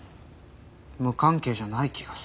無関係じゃない気がする。